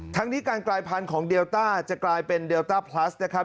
ทั้งนี้การกลายพันธุ์ของเดลต้าจะกลายเป็นเดลต้าพลัสนะครับ